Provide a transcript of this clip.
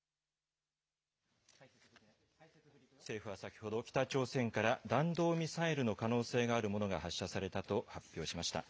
政府は先ほど、北朝鮮から弾道ミサイルの可能性のあるものが発射されたと発表しました。